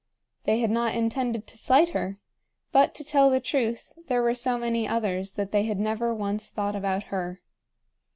They had not intended to slight her; but, to tell the truth, there were so many others that they had never once thought about her.